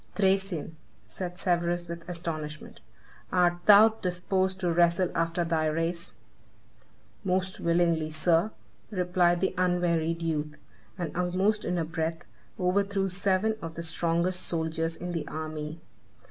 "Thracian," said Severus with astonishment, "art thou disposed to wrestle after thy race?" "Most willingly, sir," replied the unwearied youth; and, almost in a breath, overthrew seven of the strongest soldiers in the army.